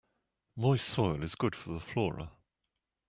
Moist soil is good for the flora.